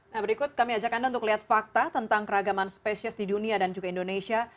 nah berikut kami ajak anda untuk lihat fakta tentang keragaman spesies di dunia dan juga indonesia